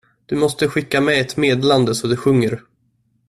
Du måste skicka med ett meddelande så det sjunger.